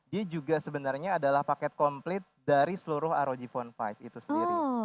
dia juga sebenarnya adalah paket komplit dari seluruh rog phone lima itu sendiri